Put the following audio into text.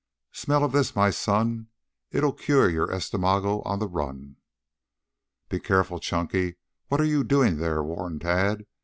"Smell of this, my son. It'll cure your estomago on the run." "Be careful, Chunky, what are you doing there?" warned Tad.